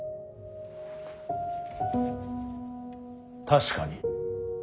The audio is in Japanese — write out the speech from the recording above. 確かに。